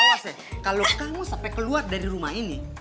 awas ya kalo kamu sampe keluar dari rumah ini